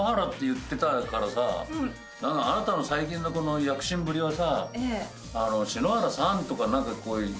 言ってたからさあなたの最近の躍進ぶりはさ「篠原さん」とか何かこう。